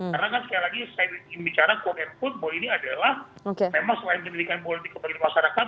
karena kan sekali lagi saya bicara core and core bahwa ini adalah memang selain pendidikan politik bagi masyarakat